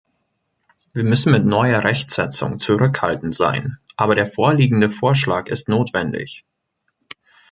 Wir müssen mit neuer Rechtsetzung zurückhaltend sein, aber der vorliegende Vorschlag ist notwendig.